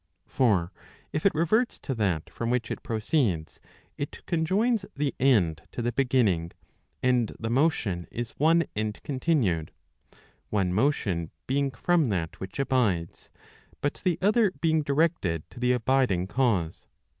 ' For if it reverts to that from which it proceeds, it conjoins the end to the beginning, and the motion is one and continued one motion being from that which abides, but the other being directed to the abiding cause.